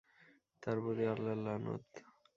তার প্রতি আল্লাহর লানত।